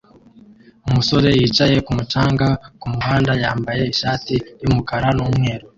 umusore yicaye kumu canga kumuhanda yambaye ishati yumukara numweru